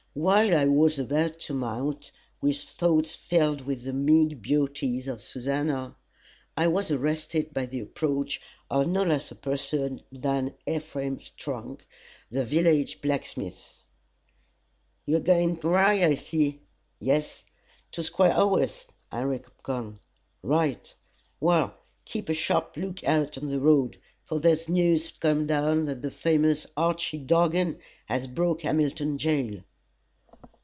While I was about to mount, with thoughts filled with the meek beauties of Susannah, I was arrested by the approach of no less a person than Ephraim Strong, the village blacksmith. "You're guine to ride, I see." "Yes." "To Squire Owens, I reckon." "Right." "Well, keep a sharp look out on the road, for there's news come down that the famous Archy Dargan has broke Hamilton jail."